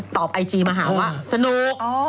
ไอจีมาหาว่าสนุก